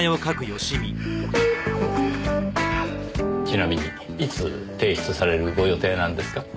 ちなみにいつ提出されるご予定なんですか？